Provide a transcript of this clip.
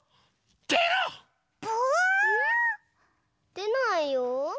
でないよ？